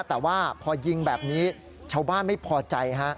แต่ว่าพอยิงแบบนี้ชาวบ้านไม่พอใจฮะ